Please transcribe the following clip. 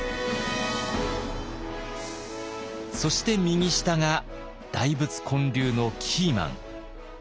そして右下が大仏建立のキーマン行基です。